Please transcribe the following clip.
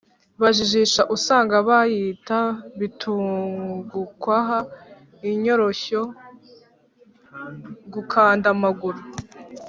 bajijisha. Usanga bayita bitugukwaha, inyoroshyo, gukanda amaguru,